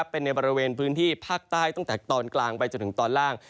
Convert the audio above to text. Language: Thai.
เป็นในบริเวณพื้นที่ภาคใต้ตั้งแต่ตอนกลางไปจนถึงตอนล่าง